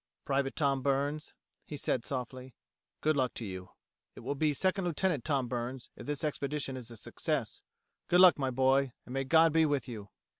"Private Tom Burns," he said softly. "Good luck to you. It will be Second Lieutenant Tom Burns if this expedition is a success. Good luck, my boy, and may God be with you."